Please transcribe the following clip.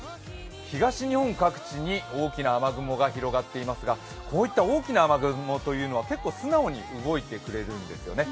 東日本各地に大きな雨雲が広がっていますがこういった大きな雨雲というのは、結構素直に動いてくれるんですよね。